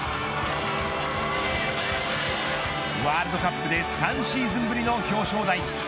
ワールドカップで３シーズンぶりの表彰台。